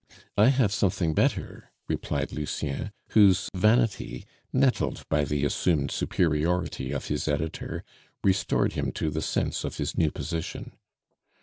"I have something better," replied Lucien, whose vanity, nettled by the assumed superiority of his editor, restored him to the sense of his new position.